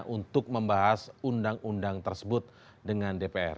untuk membahas undang undang tersebut dengan dpr